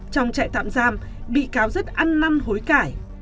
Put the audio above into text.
trong trại tạm giam bị cáo rất ăn năn hối cải